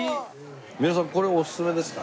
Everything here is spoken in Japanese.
三浦さんこれおすすめですか？